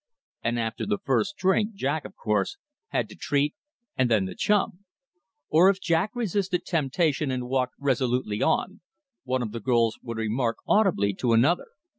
And after the first drink, Jack, of course, had to treat, and then the chum. Or if Jack resisted temptation and walked resolutely on, one of the girls would remark audibly to another.